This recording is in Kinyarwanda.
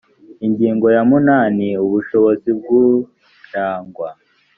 ingingo ya munani ubushobozi bw’uragwa